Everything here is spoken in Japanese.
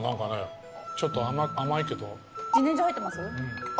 自然薯入ってます？